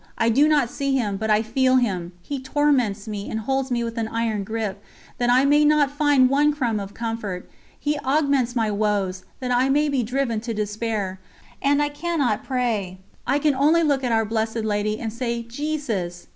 I do not see him, but I feel him; he torments me and holds me with a grip of iron, that I may not find one crumb of comfort; he augments my woes, that I may be driven to despair. ... And I cannot pray. I can only look at Our Blessed Lady and say: 'Jesus!'